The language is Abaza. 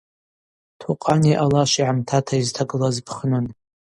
Токъани алашви Гӏамтата йызтагылаз пхнын.